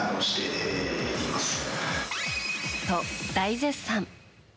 と、大絶賛。